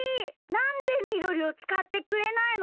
なんでみどりをつかってくれないの？